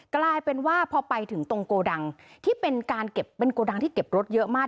กลายเป็นว่าพอไปถึงตรงโกดังที่เป็นการเก็บเป็นโกดังที่เก็บรถเยอะมาก